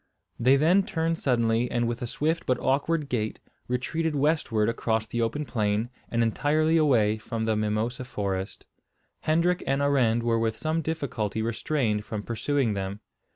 They then turned suddenly, and with a swift but awkward gait retreated westward across the open plain, and entirely away from the mimosa forest. Hendrik and Arend were with some difficulty restrained from pursuing them.